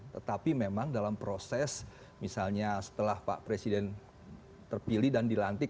tetapi memang dalam proses misalnya setelah pak presiden terpilih dan dilantik